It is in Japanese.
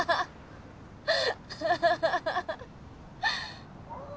ハハハハ！